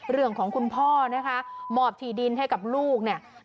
เรื่องของคุณพ่อนะคะหมอบที่ดินให้กับลูกเนี่ย